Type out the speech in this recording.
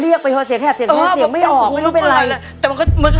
เรียกไปเสียไม่ออก